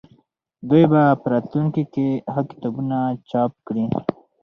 دوی به په راتلونکي کې ښه کتابونه چاپ کړي.